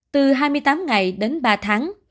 từ hai mươi tám ngày đến ba tháng